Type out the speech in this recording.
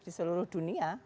di seluruh dunia